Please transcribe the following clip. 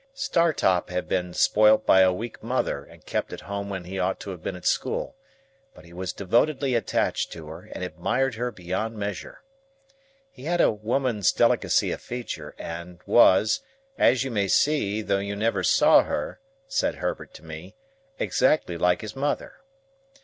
Startop had been spoilt by a weak mother and kept at home when he ought to have been at school, but he was devotedly attached to her, and admired her beyond measure. He had a woman's delicacy of feature, and was—"as you may see, though you never saw her," said Herbert to me—"exactly like his mother."